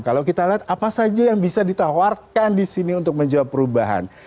kalau kita lihat apa saja yang bisa ditawarkan di sini untuk menjawab perubahan